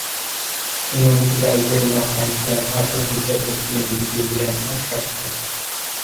كىنودىكى بەزىبىر ۋەقەلىكلەر ئاشۇ ھۆججەتلىك فىلىمدىكى بىلەن ئوخشايدىكەن.